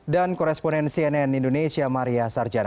koresponen cnn indonesia maria sarjana